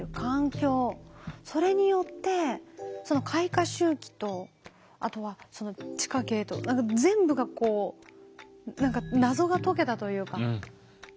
それによってその開花周期とあとはその地下茎と全部がこう何か謎が解けたというか全部関わり合っているんですね。